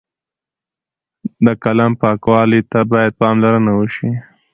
د قلم پاکوالۍ ته باید پاملرنه وشي.